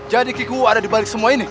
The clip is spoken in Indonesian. jadi kikowo ada di balik semua ini